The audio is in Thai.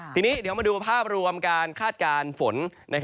ทีนี้เดี๋ยวมาดูภาพรวมการคาดการณ์ฝน